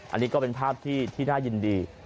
อันนี้ก็เป็นภาพที่น่ายินดี